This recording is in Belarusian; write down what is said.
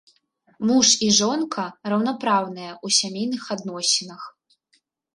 Муж і жонка раўнапраўныя ў сямейных адносінах.